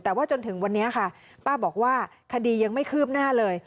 แต่ว่าจนถึงวันนี้ค่ะป้าบอกว่าคดียังไม่คืบหน้าเลย